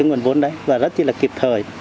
nguồn vốn đấy và rất là kịp thời